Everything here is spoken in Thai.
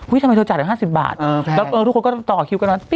อุ้ยทำไมเธอจ่ายดัง๕๐บาทเออใช่แล้วเออทุกคนก็ต่อคิวกันแล้ว